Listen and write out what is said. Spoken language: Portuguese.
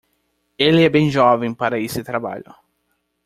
Ele é bem jovem para esse trabalho.